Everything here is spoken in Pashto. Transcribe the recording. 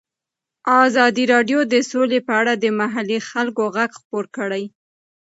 ازادي راډیو د سوله په اړه د محلي خلکو غږ خپور کړی.